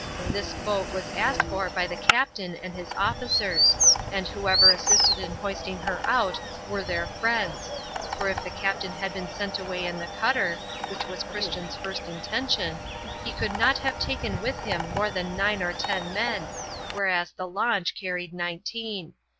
_ This boat was asked for by the captain and his officers, and whoever assisted in hoisting her out were their friends; for if the captain had been sent away in the cutter (which was Christian's first intention), he could not have taken with him more than nine or ten men, whereas the launch carried nineteen.